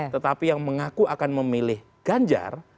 tetapi yang mengaku akan memilih ganjar